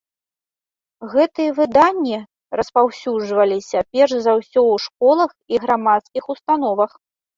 Гэтыя выданні распаўсюджваліся перш за ўсё ў школах і грамадскіх установах.